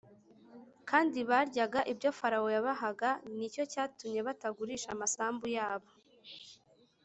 kandi baryaga ibyo Farawo yabahaga e Ni cyo cyatumye batagurisha amasambu yabo